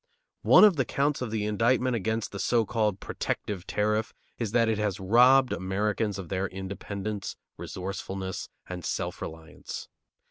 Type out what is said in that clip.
One of the counts of the indictment against the so called "protective" tariff is that it has robbed Americans of their independence, resourcefulness, and self reliance.